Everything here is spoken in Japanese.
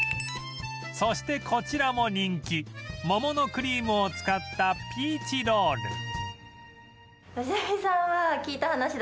そしてこちらも人気桃のクリームを使ったピーチロール